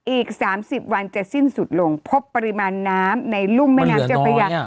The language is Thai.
อีก๓๐วันจะสิ้นสุดลงพบปริมาณน้ำในรุ่มแม่น้ำเจ้าพระยา